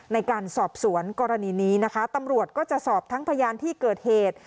ในการสอบสวนกรณีนี้นะคะตำรวจก็จะสอบทั้งพยานที่เกิดเหตุ